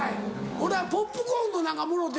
俺はポップコーンの何かもろうて。